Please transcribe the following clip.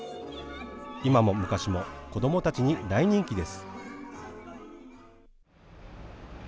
今も昔も子どもたちに大人気です。